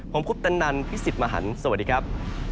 ผมพุทธนันทร์พิสิทธิ์มหันศ์สวัสดีครับ